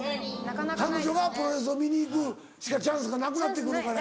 彼女がプロレスを見に行くしかチャンスがなくなってくるから。